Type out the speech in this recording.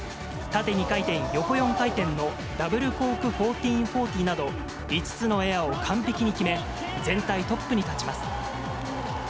縦２回転横４回転のダブルコーク１４４０など、５つのエアを完璧に決め、全体トップに立ちます。